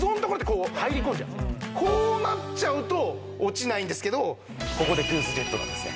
要はこうなっちゃうと落ちないんですけどここでトゥースジェットなんですね。